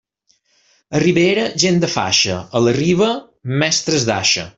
A ribera, gent de faixa; a la riba, mestres d'aixa.